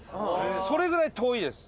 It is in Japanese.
それぐらい遠いです。